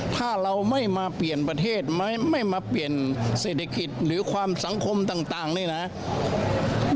ถ้าเราไม่มาเปลี่ยนประเทศไม่มาเปลี่ยนเศรษฐกิจหรือความสังคมต่างนี่นะ